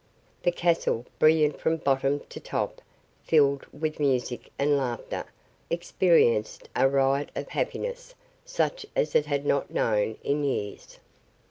The castle, brilliant from bottom to top, filled with music and laughter, experienced a riot of happiness such as it had not known in years.